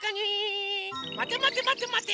まてまてまてまて。